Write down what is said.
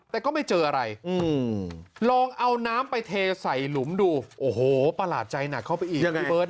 แต่ก็ไม่เจออะไรลองเอาน้ำไปเทใส่หลุมดูโอ้โหประหลาดใจหนักเข้าไปอีกพี่เบิร์ด